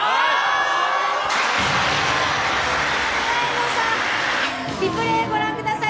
前野さん、リプレーご覧ください。